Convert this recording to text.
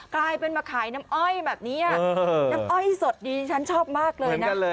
กลายเป็นมาขายน้ำอ้อยแบบนี้น้ำอ้อยสดดีฉันชอบมากเลยนะ